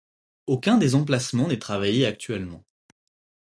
Aucun des emplacements n'est travaillé actuellement.